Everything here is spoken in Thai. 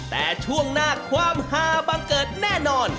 แต่ช่วงหน้าความฮาบังเกิดแน่นอน